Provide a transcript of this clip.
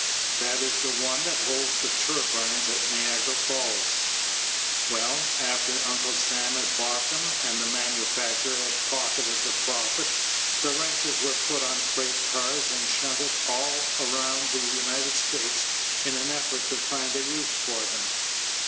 That is the one that holds the turbines at Niagara Falls. Well, after Uncle Sam had bought them and the manufacturer had pocketed the profit, the wrenches were put on freight cars and shunted all around the United States in an effort to find a use for them.